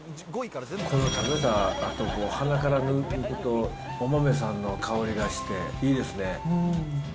この食べたあと、鼻から抜けると、お豆さんの香りがして、いいですね。